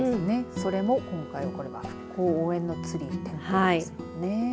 それも今回は復興応援のツリーですもんね。